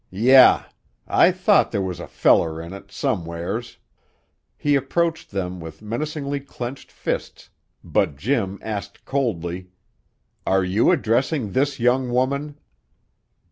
"Yah! I thought there was a feller in it, somewheres!" He approached them with menacingly clenched fists, but Jim asked coldly: "Are you addressing this young woman?"